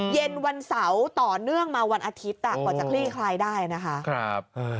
เย็นวันเสาร์ต่อเนื่องมาวันอาทิตย์กว่าจะคลี่คลายได้นะคะ